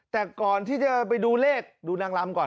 แต่ก่อนที่จะไปดูเลขดูนางลำก่อน